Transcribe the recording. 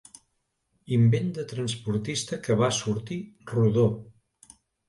Invent de transportista que va sortir rodó.